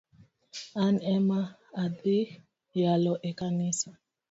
An ema adhii yalo e kanisa